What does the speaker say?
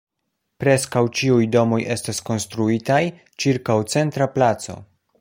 Preskaŭ ĉiuj domoj estas konstruitaj ĉirkaŭ centra placo.